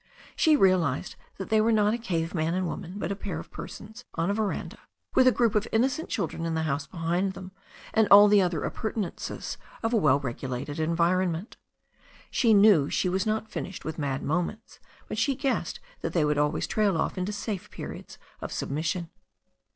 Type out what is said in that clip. She realized that they were not a cave man and woman, but a pair of persons on a veranda, with a group of innocent children in the house behind them, and all the other appurtenances of a well regulated environment She knew she was not finished with mad moments, but she guessed that they would always trail off into safe periods of submission.